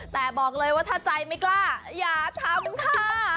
แต่บอกเลยว่าถ้าใจไม่กล้าอย่าทำค่ะ